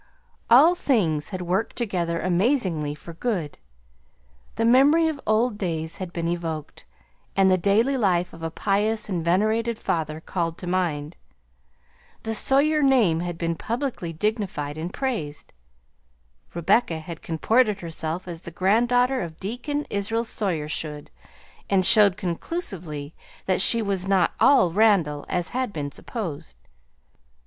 All things had worked together amazingly for good. The memory of old days had been evoked, and the daily life of a pious and venerated father called to mind; the Sawyer name had been publicly dignified and praised; Rebecca had comported herself as the granddaughter of Deacon Israel Sawyer should, and showed conclusively that she was not "all Randall," as had been supposed.